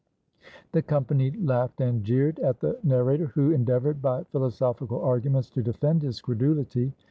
The company laughed and jeered at the narrator, who endeavored by philosophical arguments to defend his credulity.